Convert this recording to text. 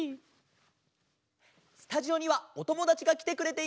スタジオにはおともだちがきてくれています。